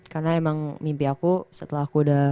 karena emang mimpi aku setelah aku udah